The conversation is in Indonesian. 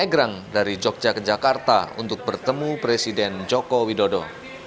segera dari jogja ke jakarta untuk bertemu presiden joko widodo